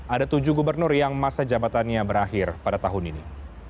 ada tujuh gubernur yang masa jabatannya berakhir pada tahun ini